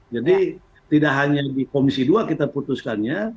jadi tidak hanya di komisi dua kita putuskannya